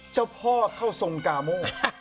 เจ้าพ่อเข้าทรงกาโม